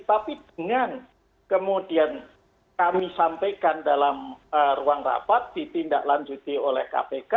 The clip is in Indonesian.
tapi dengan kemudian kami sampaikan dalam ruang rapat ditindaklanjuti oleh kpk